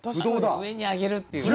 上に上げるっていう。